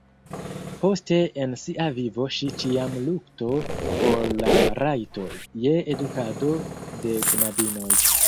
Poste en sia vivo ŝi ĉiam lukto por la rajto je edukado de knabinoj.